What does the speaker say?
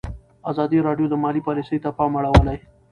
ازادي راډیو د مالي پالیسي ته پام اړولی.